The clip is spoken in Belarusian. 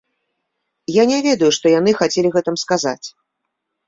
Я не ведаю, што яны хацелі гэтым сказаць.